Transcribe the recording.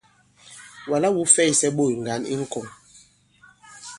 Wàla wū fɛysɛ ɓôt ŋgǎn i ŋ̀kɔ̀ŋ.